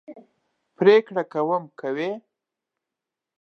پرېکړه کوم کوي.